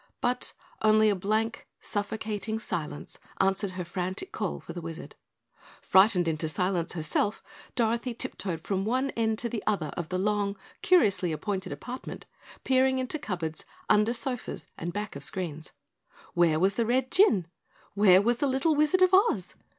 But only a blank suffocating silence answered her frantic call for the Wizard. Frightened into silence herself, Dorothy tiptoed from one end to the other of the long, curiously appointed apartment, peering into cupboards, under sofas and back of screens. Where was the Red Jinn? Where was the Little Wizard of Oz?